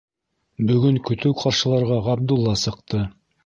Бөгөн көтөү ҡаршыларға Ғабдулла сыҡты.